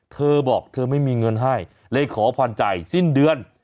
เธอบอกเธอไม่มีเงินให้เลยขอพรใจสิ้นเดือน